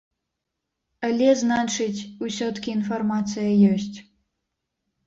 Але, значыць, усё-ткі інфармацыя ёсць.